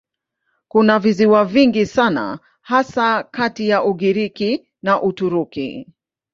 Kuna visiwa vingi sana hasa kati ya Ugiriki na Uturuki.